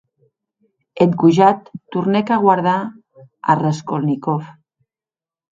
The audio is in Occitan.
Eth gojat tornèc a guardar a Raskolnikov.